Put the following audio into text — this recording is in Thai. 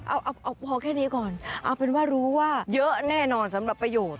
เอาพอแค่นี้ก่อนเอาเป็นว่ารู้ว่าเยอะแน่นอนสำหรับประโยชน์